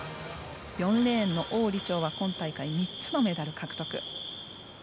４レーンの王李超は今大会３つのメダルを獲得。